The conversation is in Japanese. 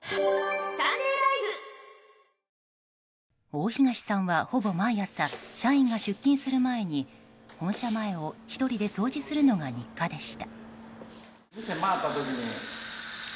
大東さんは、ほぼ毎朝社員が出勤する前に本社前を１人で掃除するのが日課でした。